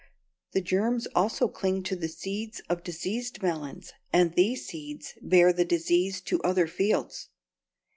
The germs also cling to the seeds of diseased melons, and these seeds bear the disease to other fields.